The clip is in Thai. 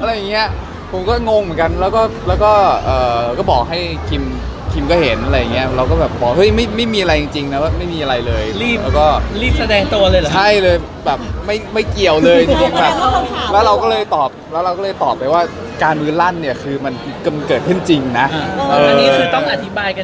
อะไรอย่างเงี้ยผมก็งงเหมือนกันแล้วก็แล้วก็เอ่อก็บอกให้คิมคิมก็เห็นอะไรอย่างเงี้ยเราก็แบบบอกเฮ้ยไม่มีอะไรจริงนะว่าไม่มีอะไรเลยรีบแล้วก็รีบแสดงตัวเลยเหรอใช่เลยแบบไม่ไม่เกี่ยวเลยจริงจริงแบบแล้วเราก็เลยตอบแล้วเราก็เลยตอบไปว่าการมือลั่นเนี่ยคือมันเกิดขึ้นจริงนะอันนี้คือต้องอธิบายกัน